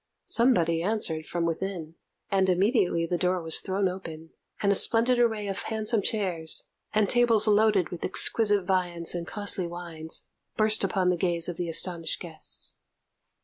Somebody answered from within, and immediately the door was thrown open, and a splendid array of handsome chairs, and tables loaded with exquisite viands and costly wines, burst upon the gaze of the astonished guests.